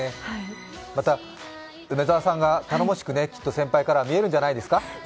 また梅澤さんがたのもしく、先輩からは見える部分じゃないですか？